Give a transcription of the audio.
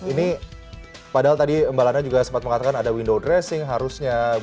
ini padahal tadi mbak lana juga sempat mengatakan ada window dressing harusnya